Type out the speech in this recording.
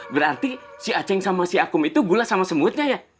berarti si aceh sama si akum itu gula sama semutnya ya